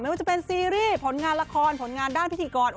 ว่าจะเป็นซีรีส์ผลงานละครผลงานด้านพิธีกร